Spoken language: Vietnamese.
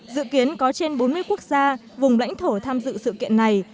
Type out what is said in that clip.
dự kiến có trên bốn mươi quốc gia vùng lãnh thổ tham dự sự kiện này